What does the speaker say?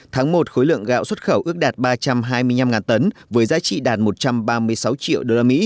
tháng một khối lượng gạo xuất khẩu ước đạt ba trăm hai mươi năm tấn với giá trị đạt một trăm ba mươi sáu triệu usd